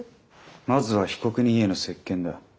まずは被告人への接見だ。